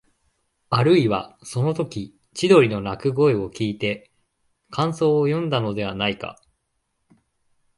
あるいは、そのとき千鳥の鳴く声をきいて感想をよんだのではないか、